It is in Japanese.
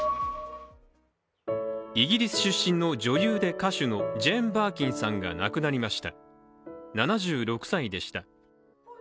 イギリス出身の女優で歌手のジェーン・バーキンさんが亡くなりました７６歳でした。